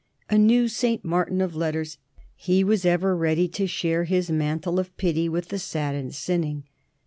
A new St. Martin of letters, he was ever ready to share his mantle of pity with the sad and sinning.